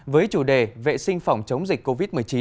với chủ đề vệ sinh phòng chống dịch covid một mươi chín